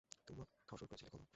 তুমি মদ খাওয়া শুরু করেছিলে কেন?